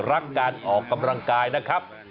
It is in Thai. รักการออกกำลังกายนะครับ